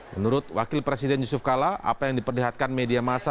menurut wakil presiden yusuf kala apa yang diperlihatkan media masa